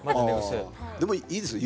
でもいいですよ